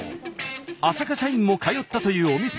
浅香社員も通ったというお店。